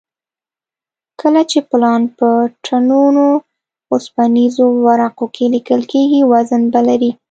کله چې پلان په ټنونو اوسپنیزو ورقو کې لیکل کېږي وزن به لري